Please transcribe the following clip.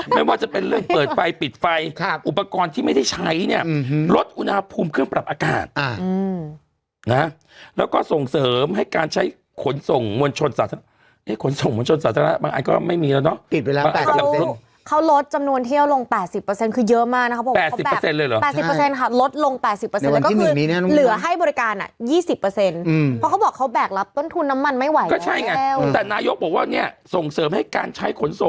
ไม่ว่าจะเป็นเรื่องเปิดไฟปิดไฟค่ะอุปกรณ์ที่ไม่ได้ใช้เนี้ยอืมหืมลดอุณหาภูมิเครื่องปรับอากาศอ่าอืมนะฮะแล้วก็ส่งเสริมให้การใช้ขนส่งมวลชนสาธารณะเนี้ยขนส่งมวลชนสาธารณะบางอันก็ไม่มีแล้วเนอะติดไว้แล้วเขารสจำนวนเที่ยวลงแปดสิบเปอร์เซ็นต์คือเยอะมา